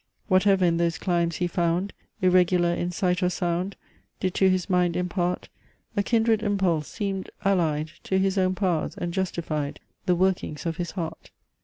Whatever in those climes he found Irregular in sight or sound Did to his mind impart A kindred impulse, seemed allied To his own powers, and justified The workings of his heart.